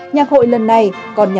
nhạc hội lần này còn được tham gia